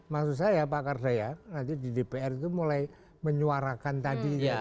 maksud saya ya pak kardaya di dpr itu mulai menyuarakan tadi